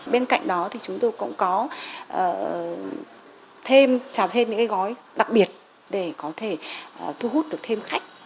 bên cạnh đó thì chúng tôi cũng có thêm trào thêm những gói đặc biệt để có thể thu hút được thêm khách